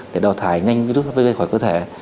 để đào thải nhanh với giúp hpv khỏi cơ thể